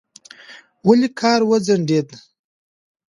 ولې کار وځنډېد؟